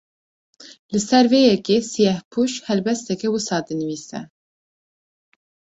Li ser vê yekê, Siyehpûş helbesteke wisa dinivîse